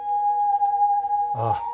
ああ。